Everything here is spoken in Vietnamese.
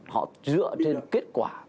họ dựa trên kết quả